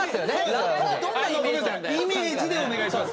「イメージ」でお願いします。